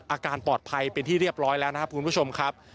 อาการปลอดภัยเป็นที่เรียบร้อยแล้วนะครับคุณผู้ชมครับ